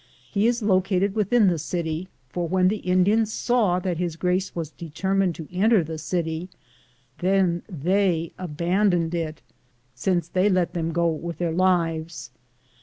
He is located within the city, for when the Indiana saw that his grace was determined to enter the city, then they abandoned it, since they let them go with their lives.